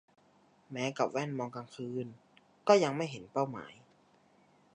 แม้กับแว่นมองกลางคืน ก็ยังไม่เห็นเป้าหมาย